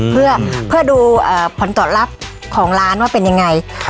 เพื่อดูผลตอบรับของร้านว่าเป็นยังไง